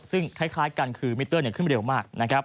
ซึ่งคล้ายกันคือมิเตอร์ขึ้นไปเร็วมาก